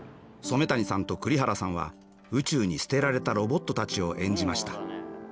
染谷さんと栗原さんは宇宙に捨てられたロボットたちを演じました。